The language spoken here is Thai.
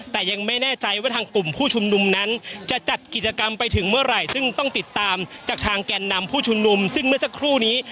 แต่ยังไม่แน่ใจว่าทางกลุ่มผู้ชุมนุมนั้นจะจัดกิจกรรมไปถึงเมื่อไหร่ซึ่งต้องติดตามจากทางแก่นนำผู้ชุมนุมซึ่งเมื่อสักครู่นี้